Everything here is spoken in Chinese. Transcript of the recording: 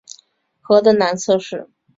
河的南侧是。